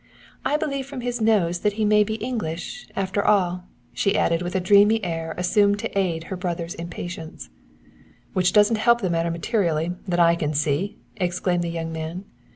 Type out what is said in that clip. I believe from his nose he may be English, after all," she added with a dreamy air assumed to add to her brother's impatience. "Which doesn't help the matter materially, that I can see!" exclaimed the young man.